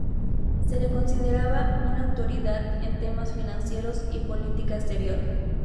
Se le consideraba una autoridad en temas financieros y política exterior.